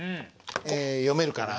読めるかな？